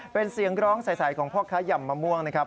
เป็นเสียงร้องใสของพ่อค้ายำมะม่วงนะครับ